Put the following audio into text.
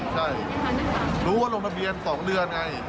ใช่รู้ว่าลงทะเบียน๒เดือนไง